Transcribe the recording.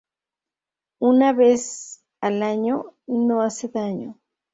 Una vez al año, no hace daño